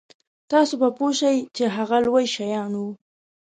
تاسو به پوه شئ چې هغه لوی شیان وو.